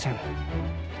saya juga kesini